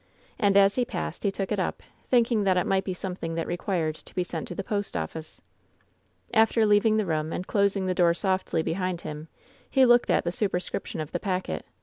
And as he passed he took it up, thinking that it might be something that required to be sent to the post ofiice. After leaving the room and closing the door softly be hind him, he looked at the superscription of the packet.